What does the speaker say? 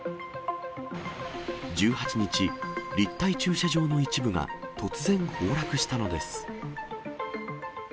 １８日、立体駐車場の一部が突然崩落したのです。